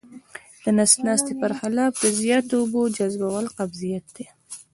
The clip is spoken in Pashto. د نس ناستي پر خلاف د زیاتو اوبو جذبول قبضیت دی.